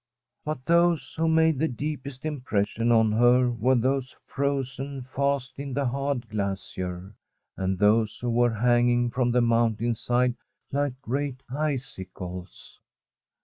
But those who made the deepest impression on her were those frozen fast in the hard glacier, and those who were hanging from the mountain side like great icicles.